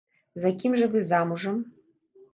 За кім жа вы замужам?